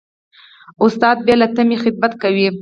استاد بې له تمې خدمت کوي.